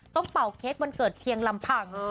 เป่าเค้กวันเกิดเพียงลำพัง